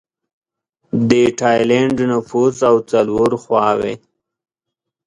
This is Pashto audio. د ټایلنډ نفوس او څلور خواووې